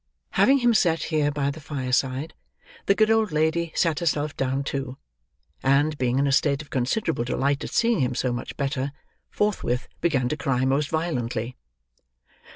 Having him set, here, by the fire side, the good old lady sat herself down too; and, being in a state of considerable delight at seeing him so much better, forthwith began to cry most violently.